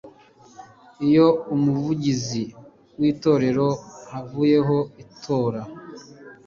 iyo Umuvugizi w itorero havuyeho itora